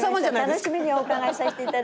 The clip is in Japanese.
楽しみにお伺いさせて頂きます。